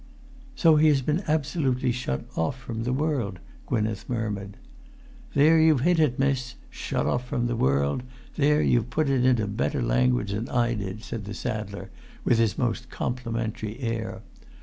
"So he has been absolutely shut off from the world," Gwynneth murmured. "There you've hit it, miss! 'Shut off from the world,' there you've put it into better language than I did," said the saddler, with his most complimentary air.